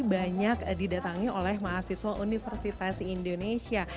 banyak didatangi oleh mahasiswa universitas indonesia